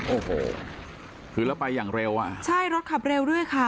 โอ้โหคือแล้วไปอย่างเร็วอ่ะใช่รถขับเร็วด้วยค่ะ